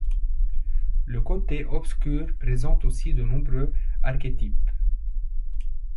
Le côté obscur présente aussi de nombreux archétypes.